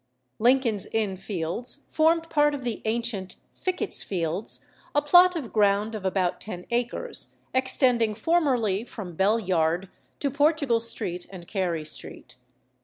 Lincoln's Inn Fields formed part of the ancient Fickett's Fields, a plot of ground of about ten acres, extending formerly from Bell Yard to Portugal Street and Carey Street.